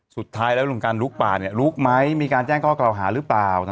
สุดท้ายแล้วลุงการลุกป่าลุกไหมมีการแจ้งข้อกล่าวหาหรือเปล่า